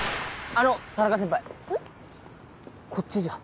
こっちじゃ？